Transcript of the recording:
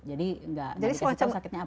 jadi gak dikasih tahu sakitnya apa